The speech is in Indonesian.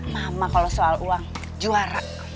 mama kalau soal uang juara